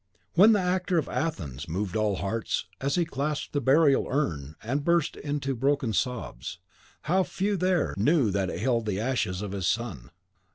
When the actor of Athens moved all hearts as he clasped the burial urn, and burst into broken sobs; how few, there, knew that it held the ashes of his son!